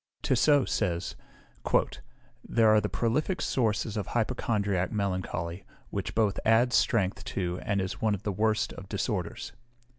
Tissot says, "They are the prolific sources of hypochondriac melancholy, which both adds strength to and is one of the worst of disorders."